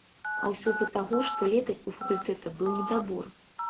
А ўсё з-за таго, што летась у факультэта быў недабор.